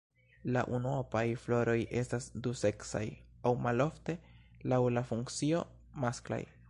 La unuopaj floroj estas duseksaj aŭ malofte laŭ la funkcio masklaj.